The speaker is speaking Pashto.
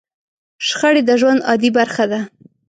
شخړې د ژوند عادي برخه ده.